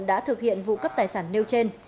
đã thực hiện vụ cấp tài sản nêu trên